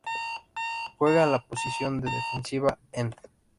Juega en la posición de Defensive end.